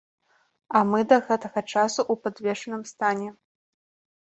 А мы да гэтага часу ў падвешаным стане.